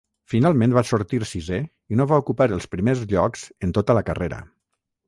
Finalment va sortir sisè i no va ocupar els primers llocs en tota la carrera.